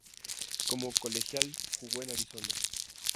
Como colegial jugo en Arizona.